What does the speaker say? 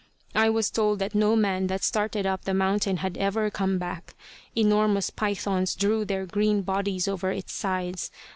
I was told that no man that started up the mountain had ever come back. Enormous pythons drew their green bodies over its sides.